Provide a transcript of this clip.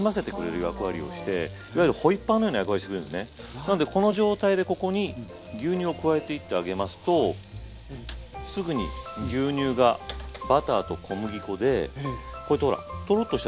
なんでこの状態でここに牛乳を加えていってあげますとすぐに牛乳がバターと小麦粉でこうやってほらトロッとした状態になります。